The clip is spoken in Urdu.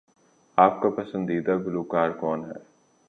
آپ کا پسندیدہ گلوکار کون ہے؟